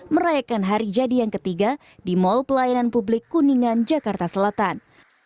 merayakan hari jadi yang ketiga di mall pelayanan publik kuningan jakarta selatan